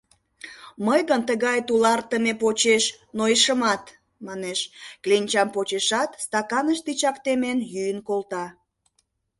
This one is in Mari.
Мый гын тыгай тулартыме почеш нойышымат, — манеш, кленчам почешат, стаканыш тичак темен йӱын колта.